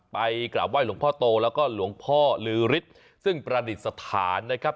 ไปกราบไห้หลวงพ่อโตแล้วก็หลวงพ่อลือฤทธิ์ซึ่งประดิษฐานนะครับ